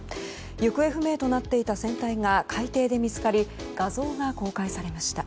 行方不明となっていた船体が海底で見つかり画像が公開されました。